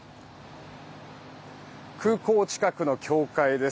空港近くの教会です。